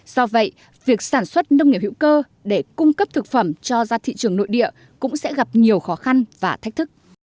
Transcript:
do vậy việc sản xuất nông nghiệp hữu cơ để cung cấp thực phẩm cho ra thị trường nội địa cũng sẽ gặp nhiều khó khăn và thách thức